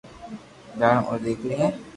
جانو اوري ديڪري ھي